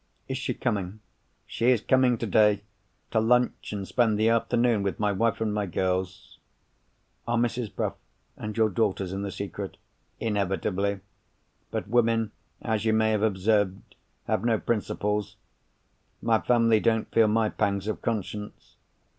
"Is she coming?" "She is coming today, to lunch and spend the afternoon with my wife and my girls." "Are Mrs. Bruff, and your daughters, in the secret?" "Inevitably. But women, as you may have observed, have no principles. My family don't feel my pangs of conscience.